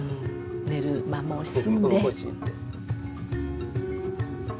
寝る間も惜しんで。